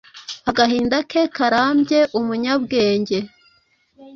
Agahinda ke karambye umunyabwenge